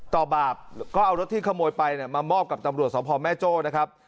บาปก็เอารถที่ขโมยไปมามอบกับตำรวจสภแม่โจ้นะครับ